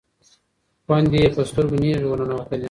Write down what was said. خویندې یې په سترګو کې نیغې ورننوتلې.